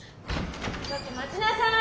ちょっと待ちなさい！